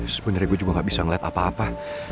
sebenernya gue juga gak bisa liat apa apa